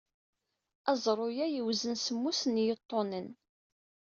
Aẓru-a yewzen semmus n yiṭunen.